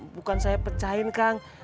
bukan saya pecahin kang